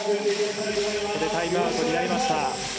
ここでタイムアウトになりました。